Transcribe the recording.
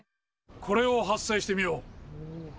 これを発声してみよう。